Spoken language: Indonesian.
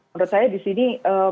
menurut saya disini